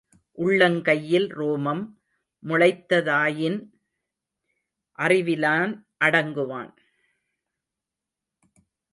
உள்ளங்கையில் ரோமம் முளைத்ததாயின் அறிவிலான் அடங்குவான்.